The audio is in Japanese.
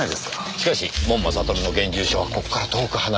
しかし門馬悟の現住所はここから遠く離れた下町です。